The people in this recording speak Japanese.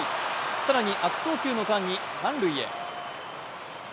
更に悪送球の間に三塁へ。